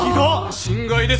心外です。